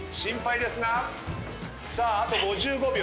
さああと５５秒。